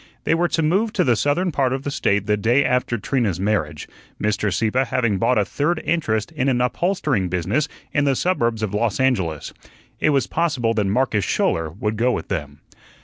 They were to move to the southern part of the State the day after Trina's marriage, Mr. Sieppe having bought a third interest in an upholstering business in the suburbs of Los Angeles. It was possible that Marcus Schouler would go with them.